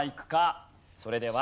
それでは。